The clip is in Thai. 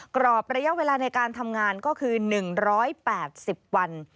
กรอบระยะเวลาในการทำงานก็คือ๑๘๐วัน